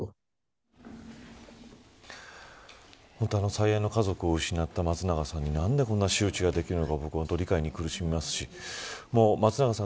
最愛の家族を失った松永さんに何でこういう仕打ちができるのか理解に苦しみますしまた松永さん